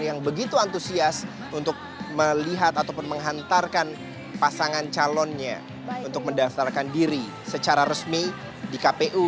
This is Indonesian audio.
yang begitu antusias untuk melihat ataupun menghantarkan pasangan calonnya untuk mendaftarkan diri secara resmi di kpu